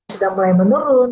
sudah mulai menurun